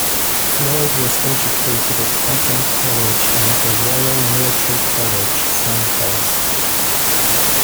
Floyd was educated at Eton College and at the Royal Military College, Sandhurst.